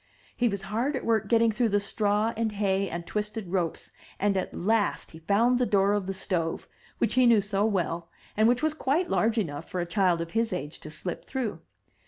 He was hard at work getting through the straw and hay and twisted ropes; and at last he found the door of the stove, which he knew so well, and which was quite large enough for a child of his age to slip through.